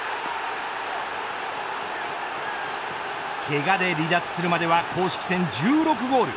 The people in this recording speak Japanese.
けがで離脱するまでは公式戦１６ゴール。